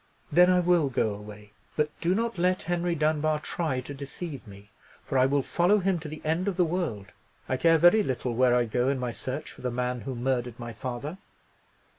"Then I will go away. But do not let Henry Dunbar try to deceive me! for I will follow him to the end of the world. I care very little where I go in my search for the man who murdered my father!"